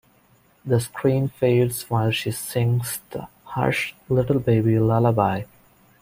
The screen fades while she sings the "Hush, Little Baby" lullaby.